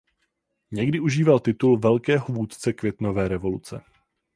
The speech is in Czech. Někdy užíval titul "Velkého vůdce květnové revoluce".